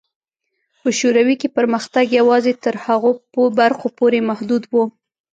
په شوروي کې پرمختګ یوازې تر هغو برخو پورې محدود و.